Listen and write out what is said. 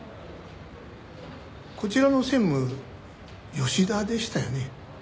こちらの専務吉田でしたよね？